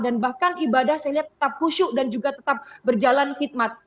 dan bahkan ibadah saya lihat tetap kusyuk dan juga tetap berjalan khidmat